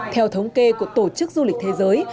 theo thống kê của tổ chức du lịch thế giới